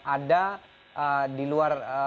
ada di luar